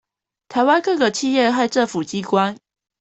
台灣各個企業和政府機關